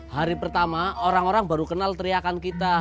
hari pertama orang orang baru kenal teriakan kita